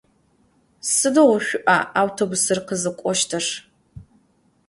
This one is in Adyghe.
Sıdiğu ş'ua avtobusır khızık'oştır?